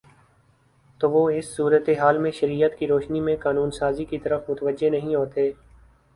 تو وہ اس صورتِ حال میں شریعت کی روشنی میں قانون سازی کی طرف متوجہ نہیں ہوتے